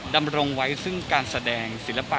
ดำรงไว้ซึ่งการแสดงศิลปะ